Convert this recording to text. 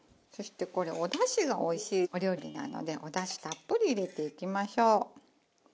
そしてこれおだしがおいしいお料理なのでおだしたっぷり入れていきましょう。